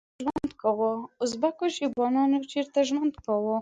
ازبکو شیبانیانو چیرته ژوند کاوه؟